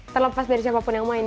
terlepas dari siapa pun yang main